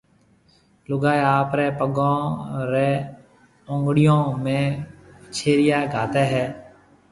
لوگائي آپريَ پگون ريَ اونگڙيون ۾ وِڇيريا گھاتيَ ھيَََ